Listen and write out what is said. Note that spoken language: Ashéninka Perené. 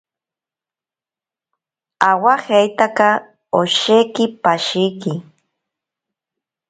Awajeitaka osheki pashiki.